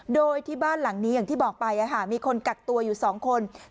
โดยที่บ้านหลังนี้อย่างที่บอกไปมีคนกักตัวอยู่๒คน